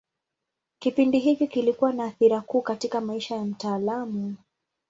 Kipindi hiki kilikuwa na athira kuu katika maisha ya mtaalamu.